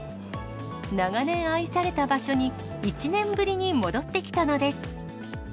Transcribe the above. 長年愛された場所に、１年ぶりに戻ってきたのです。